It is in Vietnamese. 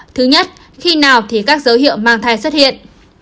thứ nhất khi nào thì các dấu hiệu mang thai xuất hiện